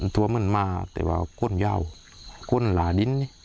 เหมือนมาแต่ว่าก้นยาวก้นหลาดิน